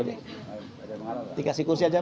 di kasih kursi saja bu